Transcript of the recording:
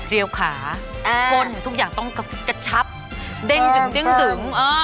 เรียวขากนทุกอย่างต้องกระชับเด้งดึง